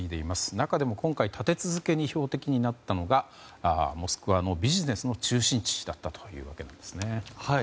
中でも、今回立て続けに標的になったのがモスクワのビジネスの中心地だったというわけですね。